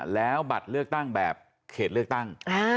แล้วบัตรเลือกตั้งแบบเขตเลือกตั้ง